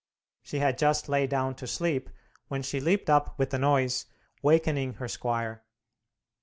She had just lain down to sleep when she leaped up with the noise, wakening her squire.